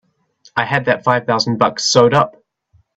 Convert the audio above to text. I had that five thousand bucks sewed up!